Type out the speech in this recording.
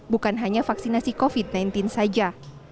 bukan hanya vaksinasi covid sembilan belas saja